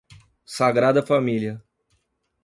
Sagrada Família